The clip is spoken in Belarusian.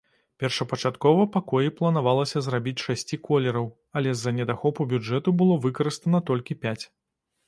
Першапачаткова пакоі планавалася зрабіць шасці колераў, але з-за недахопу бюджэту было выкарыстана толькі пяць.